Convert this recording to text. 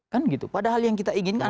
kan gitu padahal yang kita inginkan